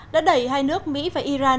đã đẩy hai nước mỹ và iran